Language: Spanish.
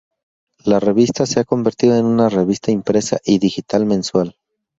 La revista se ha convertido en una revista impresa y digital mensual.